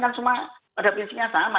kan semua pada prinsipnya sama